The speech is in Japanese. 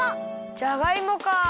じゃがいもか。